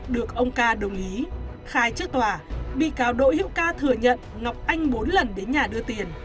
được ông ca đồng ý khai trước tòa bị cáo đỗ hiễu ca thừa nhận ngọc anh bốn lần đến nhà đưa tiền